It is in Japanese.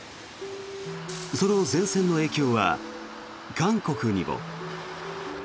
その前線の影響は韓国にも。